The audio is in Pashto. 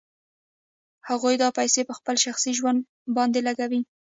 هغوی دا پیسې په خپل شخصي ژوند باندې لګوي